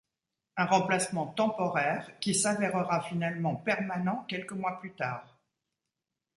Un replacement temporaire qui s’avèrera finalement permanent quelques mois plus tard.